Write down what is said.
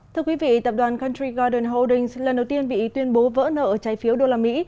thưa quý vị tập đoàn cantrie golden holdings lần đầu tiên bị tuyên bố vỡ nợ trái phiếu đô la mỹ